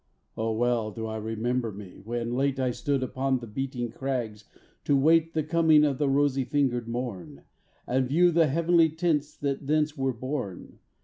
Oh, well do I remember me, when late I stood upon the beetling crags, to wait The coming of the rosy fingered morn, And view the heavenly tints that thence were born.